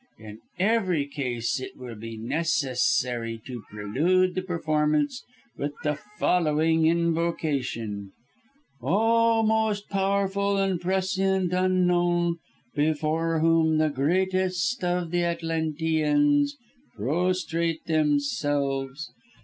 "In every case it will be necessary to prelude the performance with the following invocation "'Oh most powerful and prescient Unknown, before whom the greatest of the Atlanteans prostrate themselves.